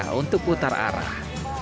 warga untuk putar arah